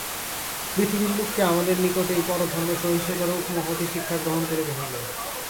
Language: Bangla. পৃথিবীর লোককে আমাদের নিকট এই পরধর্মে সহিষ্ণুতা-রূপ মহতী শিক্ষা গ্রহণ করিতে হইবে।